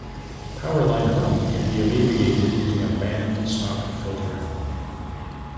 Power line hum can be alleviated using a band-stop filter.